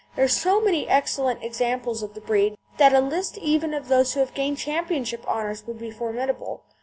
There are so many excellent examples of the breed that a list even of those who have gained championship honours would be formidable.